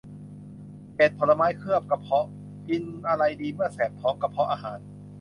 เจ็ด ผลไม้เคลือบกระเพาะ กินอะไรดีเมื่อแสบท้องกระเพาะอาหาร